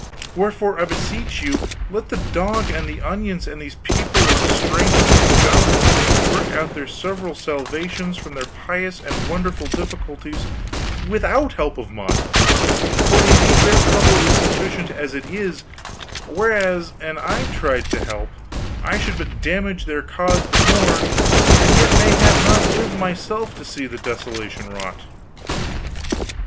Wherefore I beseech you let the dog and the onions and these people of the strange and godless names work out their several salvations from their piteous and wonderful difficulties without help of mine, for indeed their trouble is sufficient as it is, whereas an I tried to help I should but damage their cause the more and yet mayhap not live myself to see the desolation wrought."